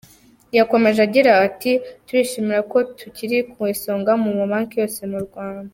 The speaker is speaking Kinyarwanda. Yakomeje agira ati “Turishimira ko tukiri ku isonga mu mabanki yose mu Rwanda.